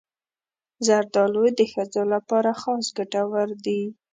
زردالو د ښځو لپاره خاص ګټور دی.